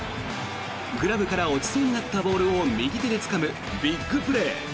グラブから落ちそうになったボールを右手でつかむビッグプレー。